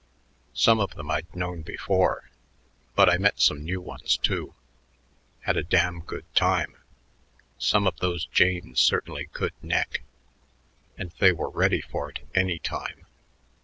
Some of them I'd known before, but I met some new ones, too. Had a damn good time. Some of those janes certainly could neck, and they were ready for it any time.